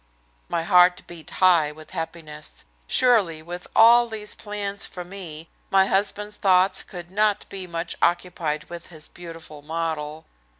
My heart beat high with happiness. Surely, with all these plans for me, my husband's thoughts could not be much occupied with his beautiful model.